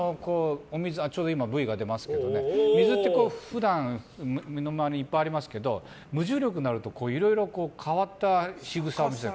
Ｖが出てますけど水って普段身の回りにいっぱいありますけど無重力になるといろいろ変わったしぐさを見せる。